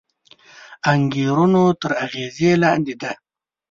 انګېرنو تر اغېز لاندې دی